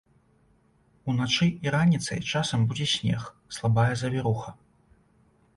Уначы і раніцай часам будзе снег, слабая завіруха.